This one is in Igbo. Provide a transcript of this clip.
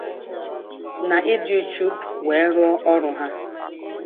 na ịdị uchu wee rụọ ọrụ ha